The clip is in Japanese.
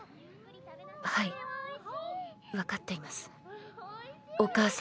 はい分かっていますお母様。